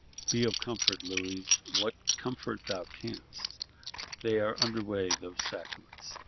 Be of comfort, Louis, what comfort thou canst: they are under way, those sacraments.